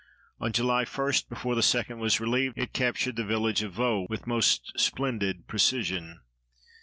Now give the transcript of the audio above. On July 1, before the 2d was relieved, it captured the village of Vaux with most splendid precision.